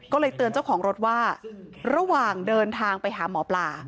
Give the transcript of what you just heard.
ก็เลยเตือนเจ้าของรถว่าระหว่างเดินทางไปหาหมอปลา